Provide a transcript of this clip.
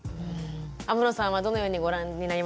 天野さんはどのようにご覧になりましたか？